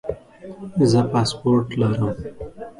زه پاسپورټ لرم